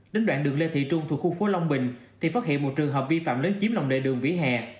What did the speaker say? đến đoạn đường lê thị trung thuộc khu phố long bình thì phát hiện một trường hợp vi phạm lấn chiếm lòng đệ đường vỉa hè